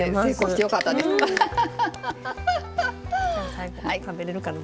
最後食べれるかな。